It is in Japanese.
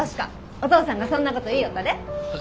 お父さんがそんなこと言いよったで。